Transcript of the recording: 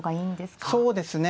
そうですね